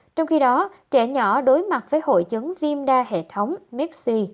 trong khi đó trẻ nhỏ đối mặt với hội chứng viêm đa hệ thống mis c